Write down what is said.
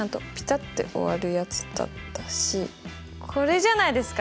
これじゃないですか？